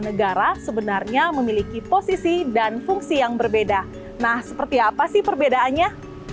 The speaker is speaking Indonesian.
negara sebenarnya memiliki posisi dan fungsi yang berbeda nah seperti apa sih perbedaannya